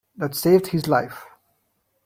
That saved his life.